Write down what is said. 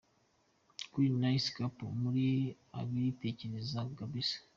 Great! nice couple muri abikitegererezo kbs.